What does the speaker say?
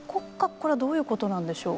これはどういうことなんでしょう。